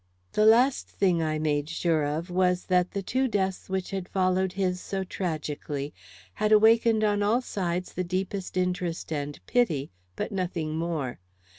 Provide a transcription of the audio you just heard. The last thing I made sure of was that the two deaths which had followed his so tragically had awakened on all sides the deepest interest and pity, but nothing more.